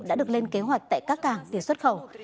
đã được lên kế hoạch tại các cảng để xuất khẩu